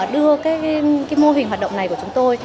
đưa cái mô hình hoạt động này của chúng tôi